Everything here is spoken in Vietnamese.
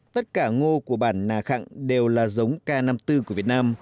tất cả ngô của bản nà khang đều là giống k năm mươi bốn của việt nam